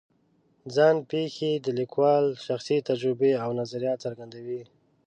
ځان پېښې د لیکوال شخصي تجربې او نظریات څرګندوي.